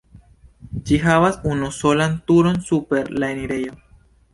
Ĝi havas unusolan turon super la enirejo.